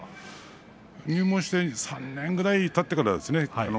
入門して３年ぐらいたってからですね